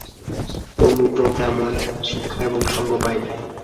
অনু তো তেমন শিক্ষা এবং সঙ্গ পায় নাই।